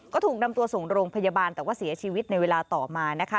ก็ถูกนำตัวส่งโรงพยาบาลแต่ว่าเสียชีวิตในเวลาต่อมานะคะ